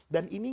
dan halifah itu